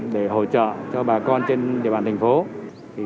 để hỗ trợ cho bà con trên địa bàn tp hcm